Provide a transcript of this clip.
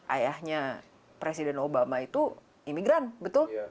ayahnya presiden obama itu imigran betul